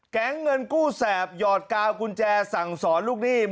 แก๊งเงินกู้แสบหยอดกาวกุญแจสั่งสอนลูกหนี้